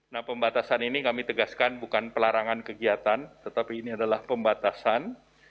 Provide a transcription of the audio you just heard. nah pembatasan ini kami tegaskan bukan pelarangan kegiatan tetapi ini adalah pembatasan